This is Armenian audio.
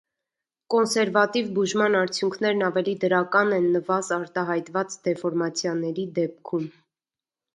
Կոնսերվատիվ բուժման արդյունքներն ավելի դրական են նվազ արտահայտված դեֆորմացիաների դեպքում։